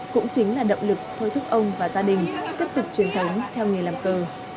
cũng chính là động lực thôi thúc ông và gia đình tiếp tục truyền thống theo nghề làm cờ